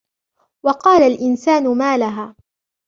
وقال الإنسان ما لها